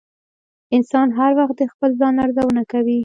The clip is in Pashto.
انسان هر وخت د خپل ځان ارزونه کوي.